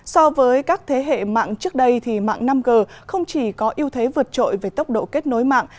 so với các thế hệ mạng trước đây thì mạng năm g không chỉ có ưu thế vượt trội về tốc độ kết nối mạng